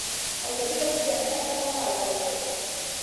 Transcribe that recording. ازادي راډیو د امنیت ته پام اړولی.